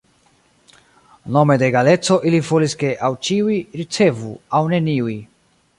Nome de egaleco ili volis ke aŭ ĉiuj ricevu aŭ neniuj.